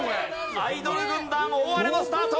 アイドル軍団大荒れのスタート。